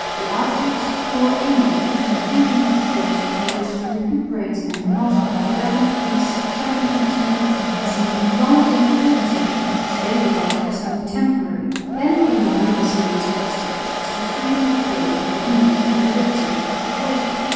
The archdukes, who were aiming at the conclusion of a truce in which to recuperate and not of a definitive peace, showed an unexpected complaisance in granting a concession which they regarded as only temporary. Then came the really serious questions as to freedom of trade in the Indies and the liberty of Catholic worship.